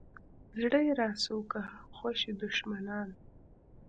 زړه یې راسو کا خوشي دښمنان.